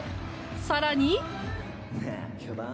更に。